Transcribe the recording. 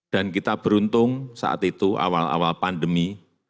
dan kita beruntung saat itu awal awal pandemi